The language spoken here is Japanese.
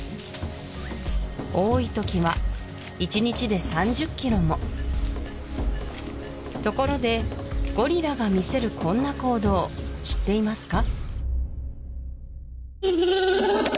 多い時は１日で３０ｋｇもところでゴリラが見せるこんな行動知っていますか？